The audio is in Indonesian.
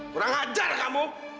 kurang ajar kamu